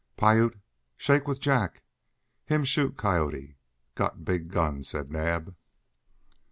"Piute shake with Jack. Him shoot coyote got big gun," said Naab.